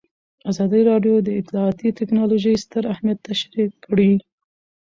ازادي راډیو د اطلاعاتی تکنالوژي ستر اهميت تشریح کړی.